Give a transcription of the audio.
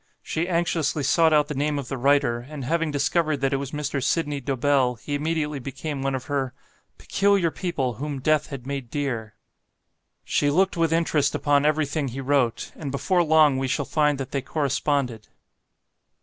She anxiously sought out the name of the writer; and having discovered that it was Mr. Sydney Dobell he immediately became one of her "Peculiar people whom Death had made dear." She looked with interest upon everything he wrote; and before long we shall find that they corresponded.